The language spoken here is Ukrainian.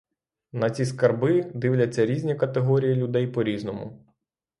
На ці скарби дивляться різні категорії людей по-різному.